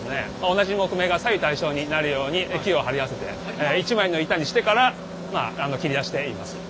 同じ木目が左右対称になるように木を貼り合わせて一枚の板にしてから切り出しています。